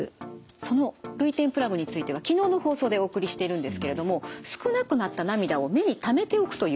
その涙点プラグについては昨日の放送でお送りしてるんですけれども少なくなった涙を目にためておくというものなんです。